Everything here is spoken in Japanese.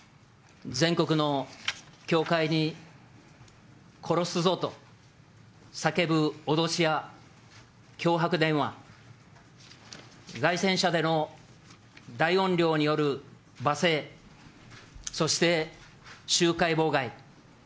全国の教会に、殺すぞと叫ぶ脅しや、脅迫電話、街宣車での大音量による罵声、そして集会妨害。